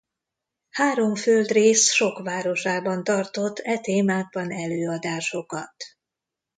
Három földrész sok városában tartott e témákban előadásokat.